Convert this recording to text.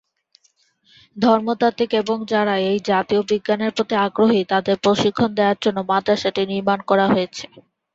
ধর্মতাত্ত্বিক এবং যারা এই জাতীয় বিজ্ঞানের প্রতি আগ্রহী তাদের প্রশিক্ষণ দেওয়ার জন্য মাদ্রাসাটি নির্মাণ করা হয়েছে।